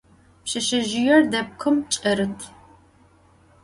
Pşseşsezjıêr depkhım ç'erıt.